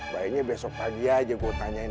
baiknya besok pagi aja gue tanyain